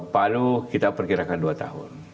palu kita perkirakan dua tahun